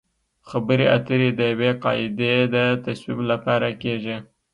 خبرې اترې د یوې قاعدې د تصویب لپاره کیږي